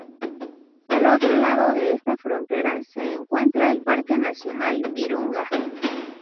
Al otro lado de esta frontera se encuentra el Parque Nacional Virunga.